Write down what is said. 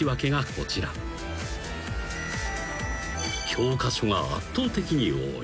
［教科書が圧倒的に多い］